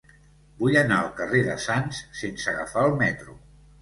Vull anar al carrer de Sants sense agafar el metro.